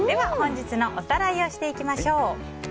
本日のおさらいをしていきましょう。